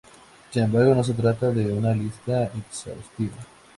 Sin embargo, no se trata de una lista exhaustiva.